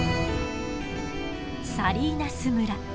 サリーナス村。